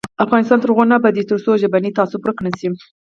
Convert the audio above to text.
افغانستان تر هغو نه ابادیږي، ترڅو ژبنی تعصب ورک نشي.